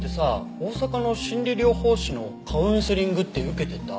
大阪の心理療法士のカウンセリングって受けてた？